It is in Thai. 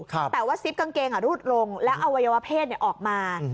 แต่ว่าซิปกางเกงรูดลงแล้วอวัยวะเพศออกมา